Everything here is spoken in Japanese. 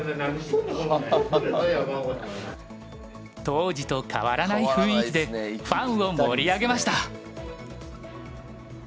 当時と変わらない雰囲気でファンを盛り上げました。